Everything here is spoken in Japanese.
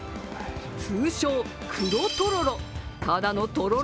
通称・黒とろろ